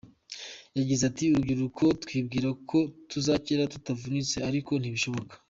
Yagize ati “Urubyiruko twibwira ko tuzakira tutavunitse ariko ntibishoboka.